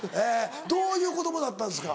どういう子供だったんですか？